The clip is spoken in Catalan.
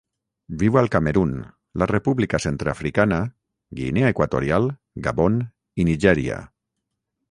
Viu al Camerun, la República Centreafricana, Guinea Equatorial, Gabon i Nigèria.